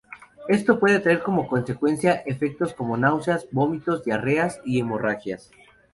Esto puede traer como consecuencia efectos como náuseas, vómitos, diarreas, y hemorragias.